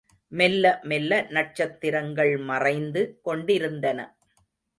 மெல்ல மெல்ல நட்சத்திரங்கள் மறைந்து கொண்டிருந்தன.